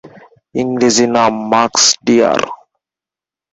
ইংরেজি নাম ‘musk deer’.